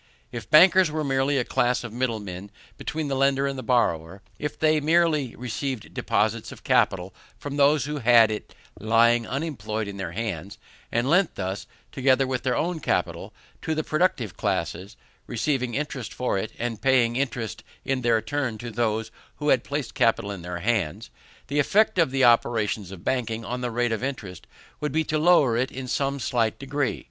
If bankers were merely a class of middlemen between the lender and the borrower; if they merely received deposits of capital from those who had it lying unemployed in their hands, and lent this, together with their own capital, to the productive classes, receiving interest for it, and paying interest in their turn to those who had placed capital in their hands; the effect of the operations of banking on the rate of interest would be to lower it in some slight degree.